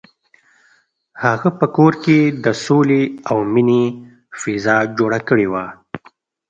هغه په کور کې د سولې او مینې فضا جوړه کړې وه.